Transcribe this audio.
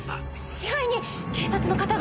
支配人警察の方が！